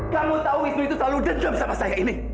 kamu tahu wisnu itu selalu dendam sama saya ini